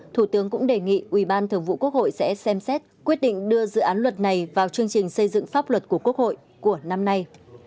thủ tướng cũng đề nghị ủy ban thường vụ quốc hội sẽ xem xét quyết định đưa dự án luật này vào chương trình xây dựng pháp luật của quốc hội của năm nay